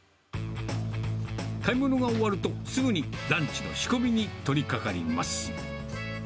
買い物が終わると、すぐにランチの仕込みに取りかかります。